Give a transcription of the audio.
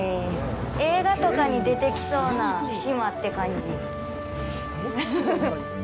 映画とかに出てきそうな島って感じ。